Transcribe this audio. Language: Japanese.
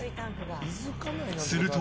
すると。